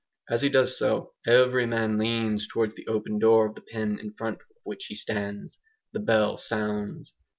As he does so, every man leans towards the open door of the pen in front of which he stands. The bell sounds!